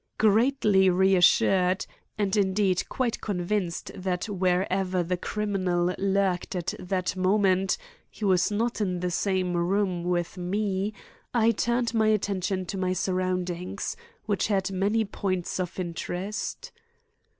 Greatly reassured, and indeed quite convinced that wherever the criminal lurked at that moment he was not in the same room with me, I turned my attention to my surroundings, which had many points of interest.